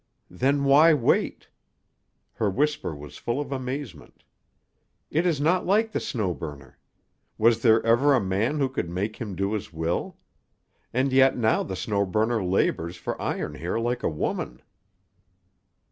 "Then why wait?" Her whisper was full of amazement. "It is not like the Snow Burner. Was there ever a man who could make him do his will? And yet now the Snow Burner labours for Iron Hair like a woman."